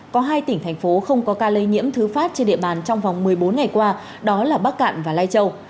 có hai tỉnh thành phố không có ca lây nhiễm thứ phát trên địa bàn trong vòng một mươi bốn ngày qua đó là bắc cạn và lai châu